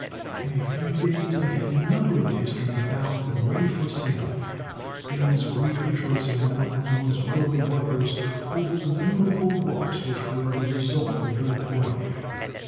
In a few days they had a number of "Histories" bound and ready for sale. There was great rejoicing among those early workers over the beautiful books which were the result of their toil!